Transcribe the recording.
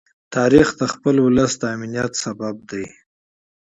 تاریخ د خپل ولس د امنیت لامل دی.